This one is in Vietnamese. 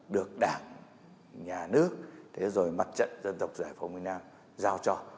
được đảng nhà nước thế rồi mặt trận dân tộc giải phóng miền nam giao cho